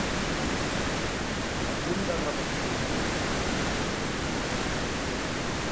A punt de rebentar.